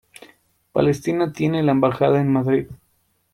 Palestina tiene una embajada en Madrid.